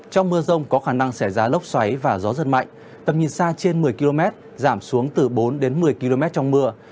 trong mưa rông có khả năng xảy ra lốc xoáy và gió giật mạnh tầm nhìn xa trên một mươi km giảm xuống từ bốn đến một mươi km trong mưa